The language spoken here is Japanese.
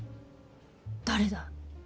誰だ。